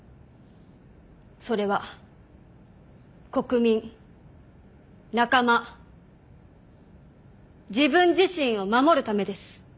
それは国民仲間自分自身を守るためです。